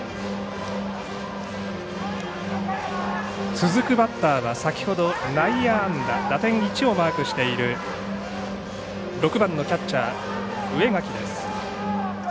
続くバッターは先ほど内野安打、打点１をマークしている６番のキャッチャー植垣です。